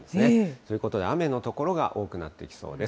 ということで、雨の所が多くなっていきそうです。